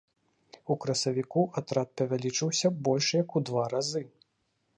У красавіку атрад павялічыўся больш як у два разы.